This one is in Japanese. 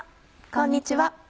こんにちは。